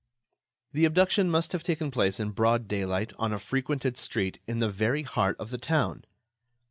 The abduction must have taken place in broad daylight, on a frequented street, in the very heart of the town.